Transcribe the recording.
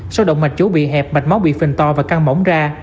sau động mạch trữ bị hẹp mạch máu bị phình to và căng mỏng ra